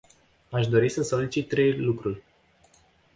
Aș dori să solicit trei lucruri.